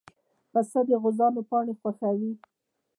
پسه د غوزانو پاڼې خوښوي.